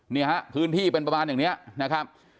เนี่ยฮะพื้นที่เป็นประมาณอย่างนี้นะครับ